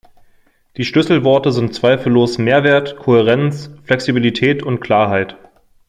Die Schlüsselworte sind zweifellos "Mehrwert", "Kohärenz", "Flexibilität" und "Klarheit".